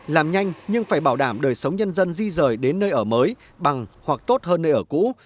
làm nhanh nhưng phải bảo đảm đời sống nhân dân di rời đến nơi ở mới bằng hoặc tốt hơn nơi ở cũ